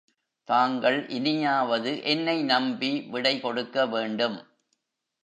தாங்கள் இனியாவது என்னை நம்பி விடைகொடுக்க வேண்டும்.